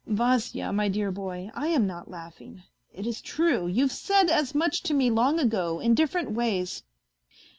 Vasya, my dear boy, I am not laughing ; it is true ; you've said as much to me long ago, in different ways.